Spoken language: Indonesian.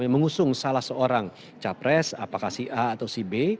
mengusung salah seorang capres apakah si a atau si b